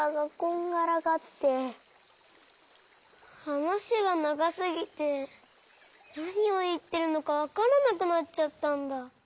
はなしがながすぎてなにをいってるのかわからなくなっちゃったんだ。